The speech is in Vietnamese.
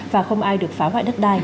và không ai được phá hoại đất đai